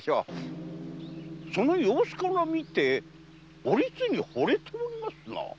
その様子から見てお律に惚れておりますな。